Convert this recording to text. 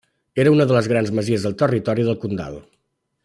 Era una de les grans masies del territori del Condal.